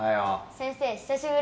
先生久しぶり。